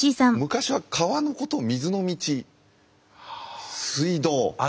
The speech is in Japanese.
昔は川のこと水の道水道。